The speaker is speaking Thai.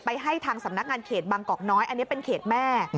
ให้ทางสำนักงานเขตบางกอกน้อยอันนี้เป็นเขตแม่